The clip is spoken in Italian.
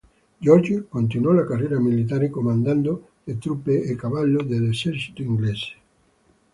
George continuò la carriera militare comandando le truppe a cavallo dell'esercito inglese.